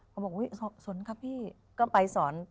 เขาบอกโอ้ยสนค่ะพี่ก็ไปสอน